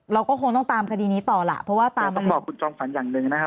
เราก็คงต้องตามคดีนี้ต่อล่ะเพราะว่าตามต้องบอกคุณจอมฝันอย่างหนึ่งนะครับ